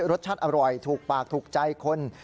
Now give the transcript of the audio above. รสชาติอร่อยถูกปากถูกใจคน